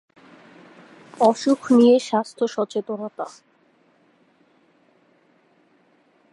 অসুখ নিয়ে স্বাস্থ্য সচেতনতা।